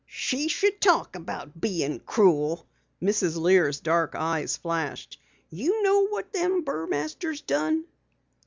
"She should talk about being cruel!" Mrs. Lear's dark eyes flashed. "You know what them Burmasters done?"